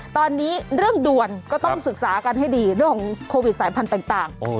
ตอนนี้เรื่องด่วนก็ต้องศึกษากันให้ดีเรื่องของโควิดสายพันธุ์ต่าง